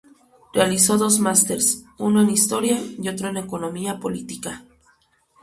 Realizó dos másters, uno en Historia y otro en Economía Política.